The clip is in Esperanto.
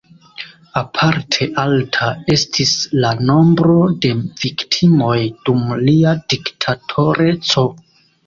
Aparte alta estis la nombro de viktimoj dum lia diktatoreco.